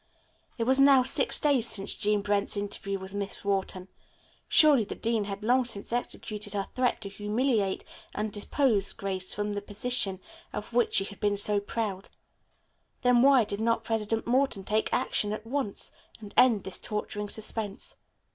It was now six days since Jean Brent's interview with Miss Wharton. Surely the dean had long since executed her threat to humiliate and depose Grace from the position of which she had been so proud. Then why did not President Morton take action at once and end this torturing suspense?